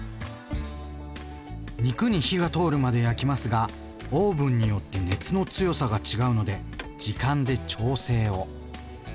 肉に火が通るまで焼きますがオーブンによって熱の強さが違うので時間で調整を。